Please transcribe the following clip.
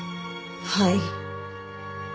はい。